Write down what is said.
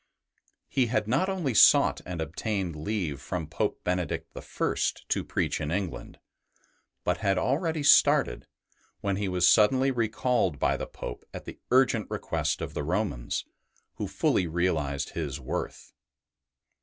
He had not only sought and obtained leave from Pope Benedict I. to preach in England, but had already started, when he was suddenly recalled by the Pope at the urgent request of the Rom^ans, who fully realized his worth.